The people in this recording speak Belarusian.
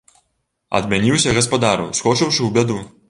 Адмяніўся гаспадар, ускочыўшы ў бяду.